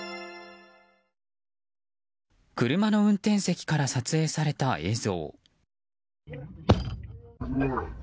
車の運転席から撮影された映像。